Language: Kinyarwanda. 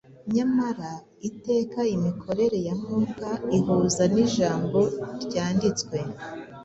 Nyamara iteka imikorere ya Mwuka ihuza n’ijambo ryanditswe.